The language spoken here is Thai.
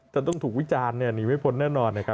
จะต้องถูกวิจารณ์หนีไม่พ้นแน่นอน